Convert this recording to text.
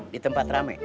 di tempat rame